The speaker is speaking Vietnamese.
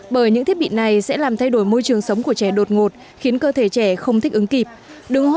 bởi những thiết bị này sẽ làm thay đổi môi trường sống